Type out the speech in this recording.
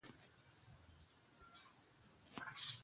Himɓe e jettaɓe e hakkillo maɓɓe.